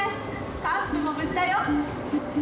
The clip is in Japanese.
カップも無事だよ。